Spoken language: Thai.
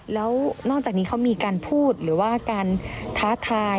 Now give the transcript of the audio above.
แล้วนอกจากนี้เขามีการพูดหรือว่าการท้าทาย